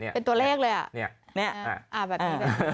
เป็นตัวเลขเลยอ่ะ